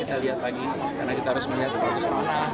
kita lihat lagi karena kita harus melihat status tanah